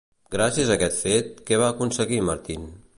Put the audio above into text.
Gràcies a aquest fet, què va aconseguir Martín?